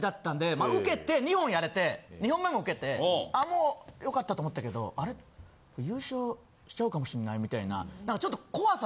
まあウケて２本やれて２本目もウケてもう良かったと思ったけど「あれ？優勝しちゃうかもしんない」みたいなちょっと。